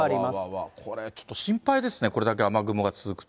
これ、ちょっと心配ですね、これだけ雨雲が続くと。